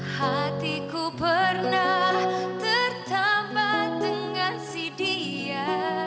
hatiku pernah tertambah dengan si dia